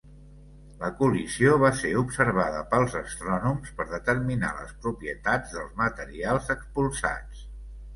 La col·lisió va ser observada pels astrònoms per determinar les propietats dels materials expulsats.